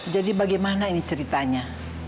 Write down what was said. jadi bagaimana ini ceritanya